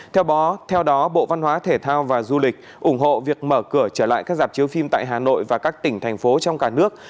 theo đó theo đó bộ văn hóa thể thao và du lịch ủng hộ việc mở cửa trở lại các dạp chiếu phim tại hà nội và các tỉnh thành phố trong cả nước